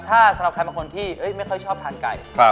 ถ้าสำหรับใครบางคนที่ไม่ค่อยชอบทานไก่